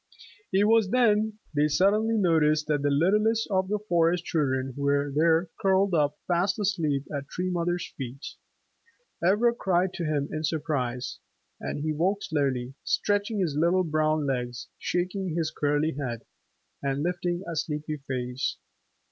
It was then they suddenly noticed that the littlest of the Forest Children was there curled up fast asleep at Tree Mother's feet. Ivra cried to him in surprise, and he woke slowly, stretching his little brown legs, shaking his curly head, and lifting a sleepy face.